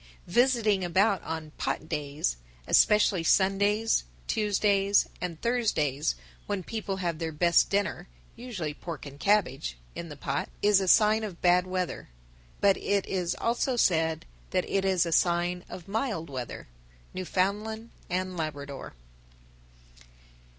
_, visiting about on "pot days," especially Sundays, Tuesdays, and Thursdays, when people have their best dinner (usually pork and cabbage) in the pot, is a sign of bad weather. But it is also said that it is a sign of mild weather. _Newfoundland and Labrador.